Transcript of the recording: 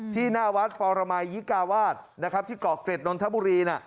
ที่หน้าวัดปรมัยยิกาวาสที่เกาะเกร็ดนนทบุรี